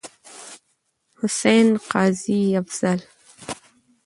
حسين، قاضي افضال.